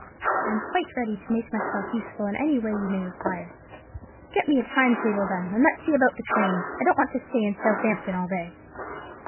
I'm quite ready to make myself useful in any way you may require." "Get me a time table, then, and let's see about the trains. I don't want to stay in Southampton all day."